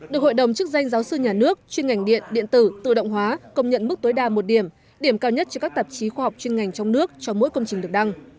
được hội đồng chức danh giáo sư nhà nước chuyên ngành điện điện tử tự động hóa công nhận mức tối đa một điểm điểm cao nhất cho các tạp chí khoa học chuyên ngành trong nước cho mỗi công trình được đăng